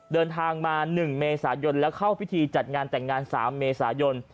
เดินทางมา๑เมษายนแล้วเข้าพิธีจัดงานแต่งงาน๓เมษายน